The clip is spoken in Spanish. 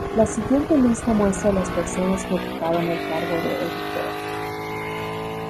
La siguiente lista muestra las personas que ocuparon el cargo de editor.